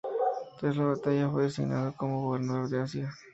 Tras la batalla fue designado como gobernador de Asia.